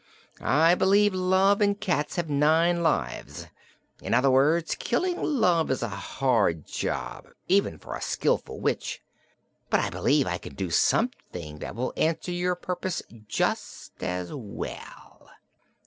I believe love and cats have nine lives. In other words, killing love is a hard job, even for a skillful witch, but I believe I can do something that will answer your purpose just as well."